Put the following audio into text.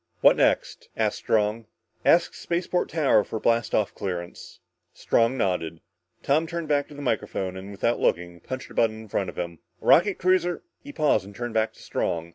What next?" asked Strong. "Ask spaceport tower for blast off clearance " Strong nodded. Tom turned back to the microphone, and without looking, punched a button in front of him. "Rocket cruiser " He paused and turned back to Strong.